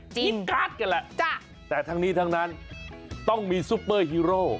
การ์ดกันแหละแต่ทั้งนี้ทั้งนั้นต้องมีซุปเปอร์ฮีโร่